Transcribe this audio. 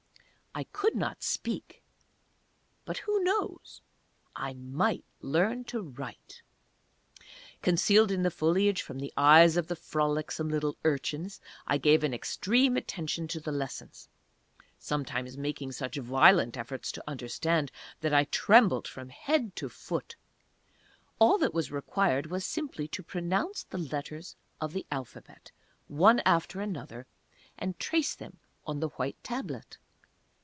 I could not speak but who knows? I might learn to write! Concealed in the foliage from the eyes of the frolicsome little urchins, I gave an extreme attention to the lessons sometimes making such violent efforts to understand that I trembled from head to foot. All that was required was simply to pronounce the letters of the Alphabet, one after another, and trace them on the white Tablet.